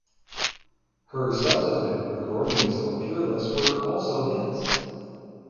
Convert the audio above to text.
Her subsequent recordings for Peerless were also hits.